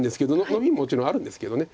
ノビももちろんあるんですけど。